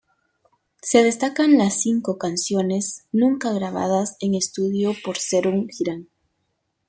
Se destacan las cinco canciones nunca grabadas en estudio por Serú Girán.